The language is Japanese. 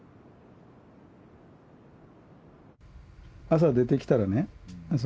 朝出てきたらね